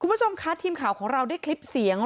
คุณผู้ชมคะทีมข่าวของเราได้คลิปเสียง